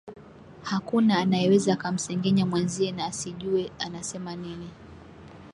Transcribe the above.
hakuna anayeweza akamsengenya mwenzie na asijue anasema nini